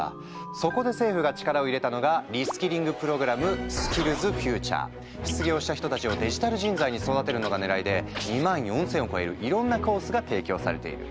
そこで政府が力を入れたのがリスキリングプログラム失業した人たちをデジタル人材に育てるのがねらいで２万４，０００を超えるいろんなコースが提供されている。